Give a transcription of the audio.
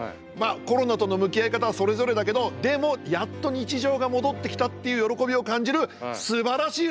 コロナとの向き合い方はそれぞれだけどでもやっと日常が戻ってきたっていう喜びを感じるすばらしいライブです。